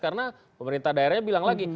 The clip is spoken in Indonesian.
karena pemerintah daerahnya bilang lagi